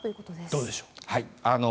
どうでしょう。